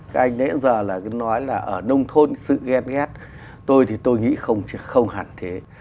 các anh ấy giờ là nói là ở nông thôn sự ghen ghét tôi thì tôi nghĩ không hẳn thế